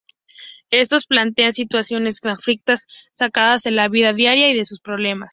Estos plantean situaciones conflictivas sacadas de la vida diaria y de sus problemas.